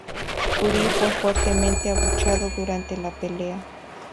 Fury fue fuertemente abucheado durante la pelea.